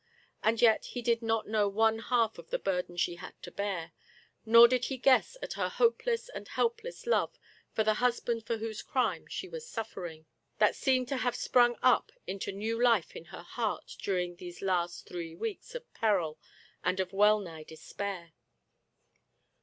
And yet he did not know one half of the burden she had to bear ; nor did he guess at her hopeless and helpless love for the husband for whose crime she was suffering, that seemed to have sprung up into new life in her heart during these last three weeks of peril and of well nigh despair.